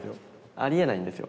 ありえないんですよ。